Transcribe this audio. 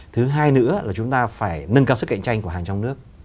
thứ hai nữa là chúng ta phải nâng cao sức cạnh tranh của hàng trong nước